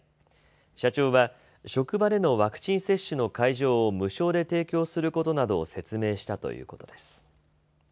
社長は職場でのワクチン接種の会場を無償で提供することなどを説明したということです。